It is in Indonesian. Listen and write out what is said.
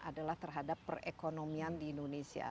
adalah terhadap perekonomian di indonesia